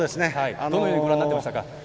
どのようにご覧になっていましたか？